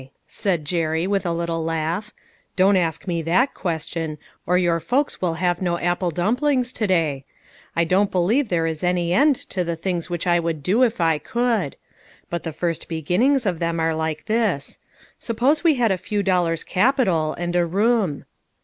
said Jerry, with a little laugh; " don't ask rne that question, or your folks will have no apple dumplings to day. I don't believe there is any end to the things which I would do if I could. But the first beginnings of them are like this : suppose we had a few dollars capital, and a room."